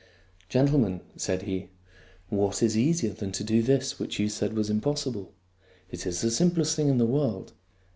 " Gentlemen," said he, " what is easier than to do this which you said was impossible? It is the simplest thing in the world.